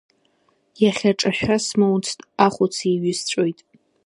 Иахьа ҿашәа смоуцт, ахәыц еиҩысҵәоит!